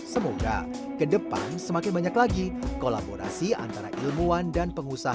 semoga ke depan semakin banyak lagi kolaborasi antara ilmuwan dan pengusaha